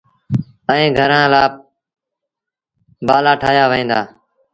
ائيٚݩ گھرآݩ لآ بآلآ ٺآهيآ وهيݩ دآ۔